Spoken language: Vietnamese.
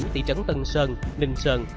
tỷ trấn tân sơn ninh sơn